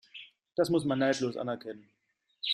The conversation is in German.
Das muss man neidlos anerkennen.